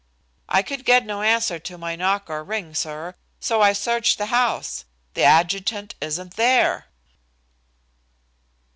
"I could get no answer to my knock or ring, sir, so I searched the house. The adjutant isn't there!"